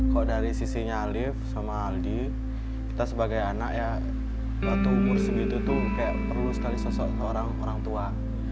kok dari sisinya alif sama aldi kita sebagai anak waktu ini umur begitu tuh kayak perlu sesuatu orang tua